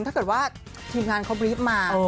ถ้าเกิดว่าทีมงานเขาบรีฟมา